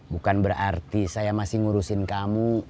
bukan berarti saya masih ngurusin kamu